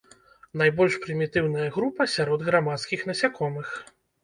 Найбольш прымітыўная група сярод грамадскіх насякомых.